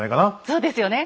そうですよね！